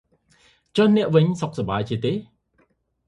ចុះអ្នកវិញ សុខសប្បាយទេ?